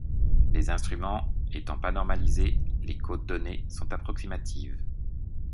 Les instruments étant pas normalisés, les côtes données sont approximatives.